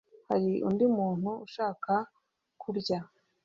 Hari undi muntu ushaka kurya?